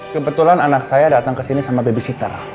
kebetulan anak saya datang ke sini sama babysitter